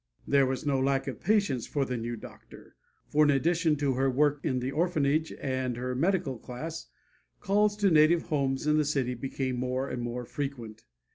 There was no lack of patients for the new doctor; for in addition to her work in the orphanage and her medical class, calls to native homes in the city became more and more frequent.